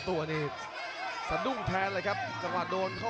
ประโยชน์ทอตอร์จานแสนชัยกับยานิลลาลีนี่ครับ